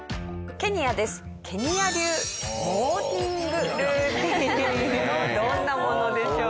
ケニア流どんなものでしょう？